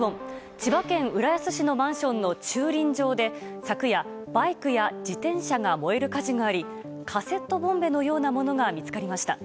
千葉県浦安市のマンションの駐輪場で昨夜、バイクや自転車が燃える火事がありカセットボンベのようなものが見つかりました。